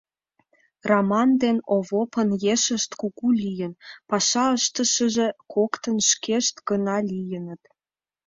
...Раман ден Овопын ешышт кугу лийын, паша ыштышыже коктын шкешт гына лийыныт.